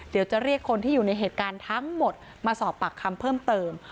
เดี๋ยวจะเรียกคนที่อยู่ในเหตุการณ์ทั้งหมดมาสอบปากคำเพิ่มเติม